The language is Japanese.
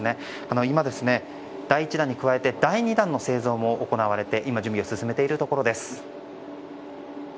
今、第１弾に加えて第２弾の製造も行われていて、今準備が進められているところです。